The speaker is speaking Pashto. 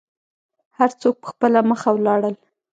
هر څوک په خپله مخه ولاړل.